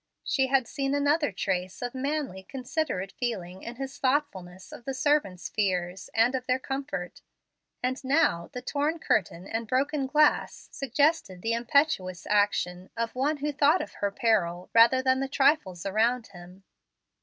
She had seen another trace of manly, considerate feeling in his thoughtfulness of the servants' fears, and of their comfort. And now the torn curtain and broken glass suggested the impetuous action of one who thought of her peril rather than of the trifles around him.